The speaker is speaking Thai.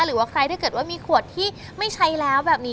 หรือว่าใครถ้าเกิดว่ามีขวดที่ไม่ใช้แล้วแบบนี้